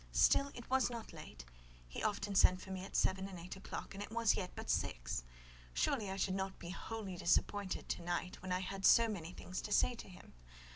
Still it was not late; he often sent for me at seven and eight o'clock, and it was yet but six. Surely I should not be wholly disappointed to night, when I had so many things to say to him!